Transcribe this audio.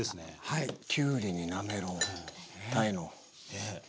きゅうりになめろう鯛の。